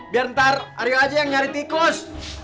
biar ntar aryo aja yang nyari tiklos